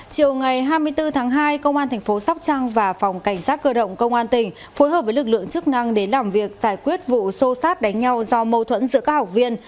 chiều ngày hai mươi bốn tháng hai công an thành phố sóc trăng và phòng cảnh sát cơ động công an tỉnh phối hợp với lực lượng chức năng đến làm việc giải quyết vụ xô xát đánh nhau do mâu thuẫn giữa các học viên